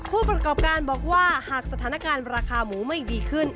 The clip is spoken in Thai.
ผู้ประกอบการบอกว่าหากสถานการณ์ราคาหมูไม่ดีขึ้น